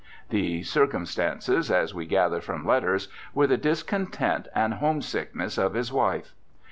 The 'circumstances', as we gather from letters, were the discontent and homesickness of his wife.